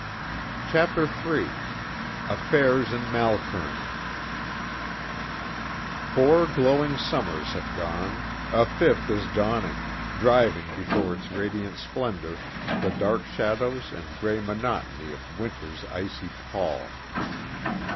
CHAPTER III AFFAIRS IN MALKERN Four glowing summers have gone; a fifth is dawning, driving before its radiant splendor the dark shadows and gray monotony of winter's icy pall.